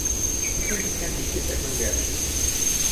Иҫең киткән иҫке сәкмәнгә.